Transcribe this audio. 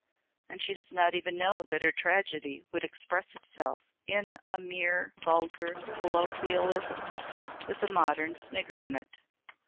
"And she does not even know that her tragedy would express itself in a mere vulgar colloquialism with a modern snigger in it.